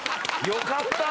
よかった。